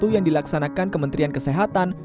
yang dilaksanakan kementerian kesehatan